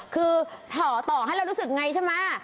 คือต่อให้เรารู้สึกไงใช่ไหม